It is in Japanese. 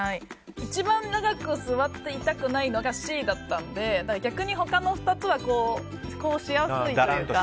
一番長く座っていたくないのがＣだったので逆に他の２つはだらんとしやすいというか。